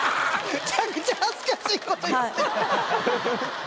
めちゃくちゃ恥ずかしいこと言ってる。